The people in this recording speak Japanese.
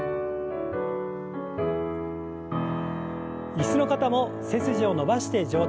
椅子の方も背筋を伸ばして上体を前に。